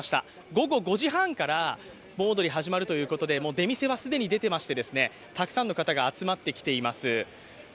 午後５時半から盆踊り、始まるということで出店は既に開いていてたくさんの方が集まってきています。